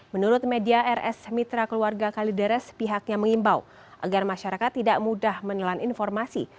menurut media rs mitra keluarga kalideres pihaknya mengimbau agar masyarakat tidak mudah menelan informasi